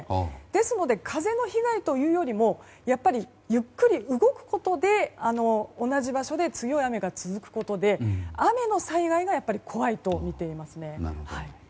ですので風の被害というよりもゆっくり動くことで同じ場所で強い雨が続くことで雨の災害が怖いとみています。